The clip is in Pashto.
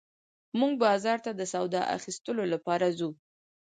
موږ بازار ته د سودا اخيستلو لپاره ځو